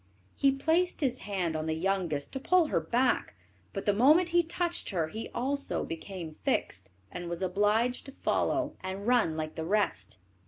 He placed his hand on the youngest to pull her back, but the moment he touched her he also became fixed, and was obliged to follow and run like the rest.